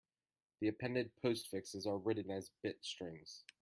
The appended postfixes are written as bit strings.